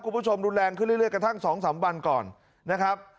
คุณผู้ชมรุนแรงขึ้นเรื่อยกระทั่ง๒๓วันก่อนนะครับ